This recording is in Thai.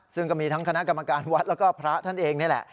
ซึ่งก็มีทั้งคณะกรรมการวัดแล้วก็พระท่านเองนี่แหละ